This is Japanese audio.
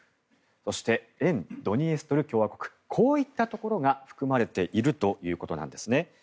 そして、沿ドニエストル共和国こういったところが含まれているということなんですね。